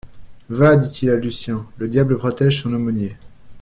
Va, dit-il à Lucien, le diable protège son aumônier.